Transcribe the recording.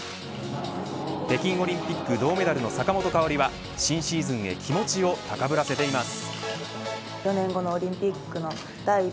北京オリンピック銅メダルの坂本花織は新シーズンへ気持ちを高ぶらせています。